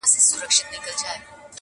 د تازه هوا مصرف یې ورښکاره کړ٫